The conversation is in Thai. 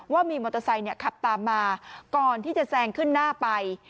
ว่ามีมอเตอร์ไซค์ขับตามมาก่อนที่จะแซงขึ้นหน้าไป